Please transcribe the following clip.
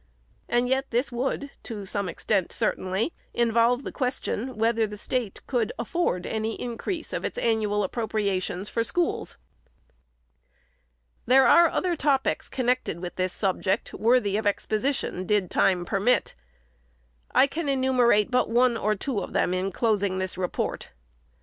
and yet this would, to some extent certainly, involve the question whether the State could afford any increase of its annual appropriations for schools. There are other topics, connected with this subject, worthy of exposition, did time permit. I can enumerate but one or two of them in closing this report.